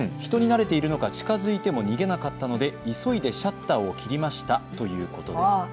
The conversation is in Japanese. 人に慣れているのか、近づいても逃げなかったので急いでシャッターを切りましたということです。